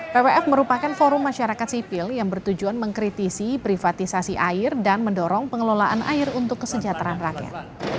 pwf merupakan forum masyarakat sipil yang bertujuan mengkritisi privatisasi air dan mendorong pengelolaan air untuk kesejahteraan rakyat